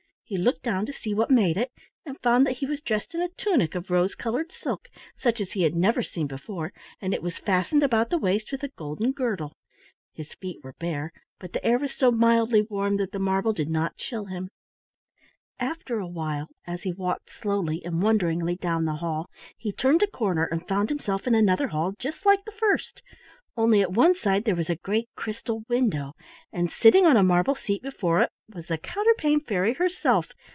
He looked down to see what made it, and found that he was dressed in a tunic of rose colored silk, such as he had never seen before, and it was fastened about the waist with a golden girdle. His feet were bare, but the air was so mildly warm that the marble did not chill him. After a while, as he walked slowly and wonderingly down the hall, he turned a corner and found himself in another hall just like the first, only at one side there was a great crystal window, and sitting on a marble seat before it was the Counterpane Fairy herself.